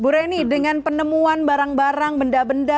bu reni dengan penemuan barang barang benda benda